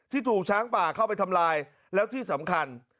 ถูกช้างป่าเข้าไปทำลายแล้วที่สำคัญ